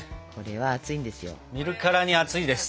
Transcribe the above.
見るからに熱いです。